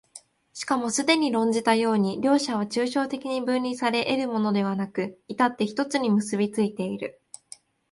しかもすでに論じたように、両者は抽象的に分離され得るものでなく、却って一つに結び付いている。